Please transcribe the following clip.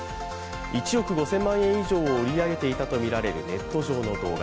１億５０００万円以上を売り上げていたとみられるネット上の動画。